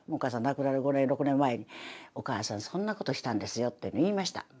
亡くなる５年６年前に「お義母さんそんなことしたんですよ」って言いました。